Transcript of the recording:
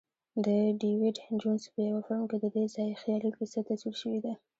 د ډیویډ جونز په یوه فلم کې ددې ځای خیالي کیسه تصویر شوې ده.